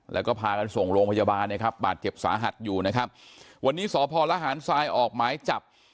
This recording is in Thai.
แล้วก็พากันส่งโรงพยาบาลนะครับบาดเจ็บสาหัสอยู่นะครับวันนี้สพลหารทรายออกหมายจับ